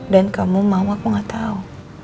dan kamu mau aku gak tau